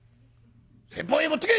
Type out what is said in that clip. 先方へ持ってけ！」。